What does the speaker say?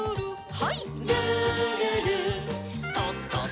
はい。